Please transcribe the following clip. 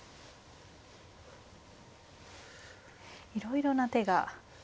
いろいろな手が。